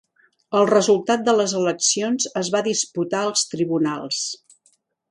El resultat de les eleccions es va disputar als tribunals.